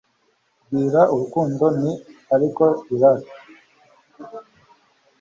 Bwira urukundo ni ariko irari;